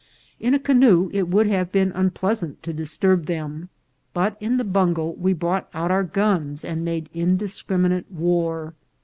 In a canoe it would have been un pleasant to disturb them, but in the bungo we brought out our guns and made indiscriminate war.